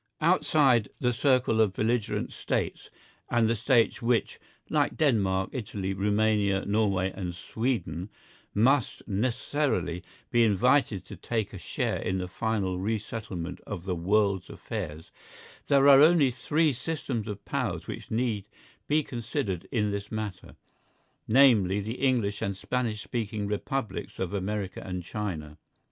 Outside the circle of belligerent States, and the States which, like Denmark, Italy, Rumania, Norway and Sweden, must necessarily be invited to take a share in the final re settlement of the world's affairs, there are only three systems of Powers which need be considered in this matter, namely, the English and Spanish speaking Republics of America and China.